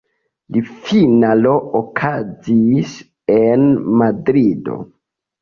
La finalo okazis en Madrido.